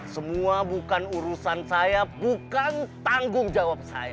semua bukan urusan saya bukan tanggung jawab saya